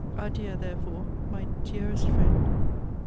Adieu, therefore, my dearest friend!